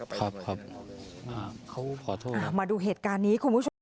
ครับครับเขาขอโทษนะครับ